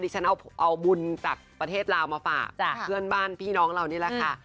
ฉันเอาบุญจากประเทศลาวมาฝากเพื่อนบ้านพี่น้องเรานี่แหละค่ะ